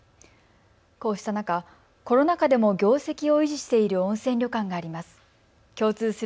こうした中、コロナ禍でも業績を維持している温泉旅館があります。